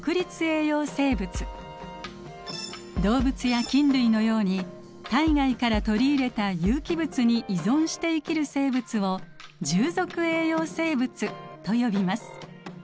動物や菌類のように体外から取り入れた有機物に依存して生きる生物を「従属栄養生物」と呼びます。